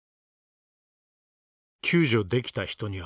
救助できた人には「○」。